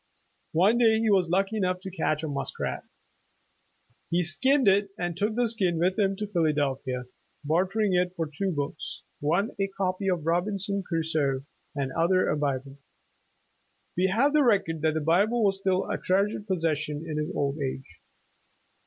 One day he was lucky enough to catch a muskrat. He skinned it and took the skin with him to Philadelphia, bartering it for two books — one a copy of Robinson Crusoe and the other a Bible. We have the record that the Bible was still a treasured possession in his old age.